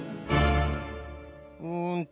うんと。